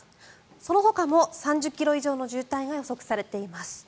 そのほかも３０ｋｍ以上の渋滞が予測されています。